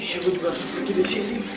ya gua juga suka kiri kiri